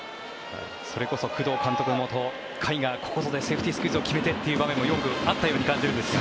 それこそ工藤監督のもと甲斐がここぞという時にセーフティースクイズを決めてということもよくあったように感じますが。